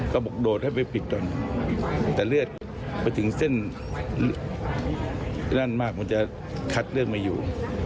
ก็บอกโดดให้ไปปิดก่อนแต่เลือดไปถึงเส้นลั่นมากมันจะคัดเลือดไม่อยู่